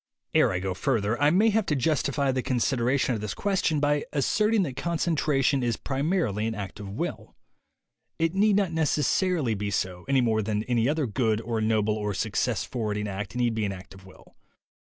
Ere I go further I may have to justify the con sideration of this question by asserting that con centration is primarly an act of will. It need not necessarily be so, any more than any other good or noble or success forwarding act need be an act of will.